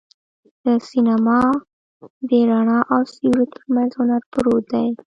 د سینما د رڼا او سیوري تر منځ هنر پروت دی.